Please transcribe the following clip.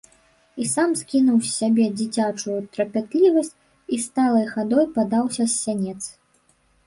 І сам скінуў з сябе дзіцячую трапятлівасць і сталай хадой падаўся з сянец.